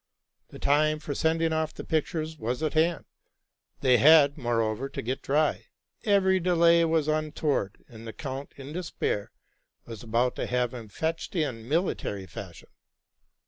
The time for sending off the pictures was at hand; they had, more over, to get dry; every delay was untoward; and the count, in despair, was about to have him fetched in military fashion.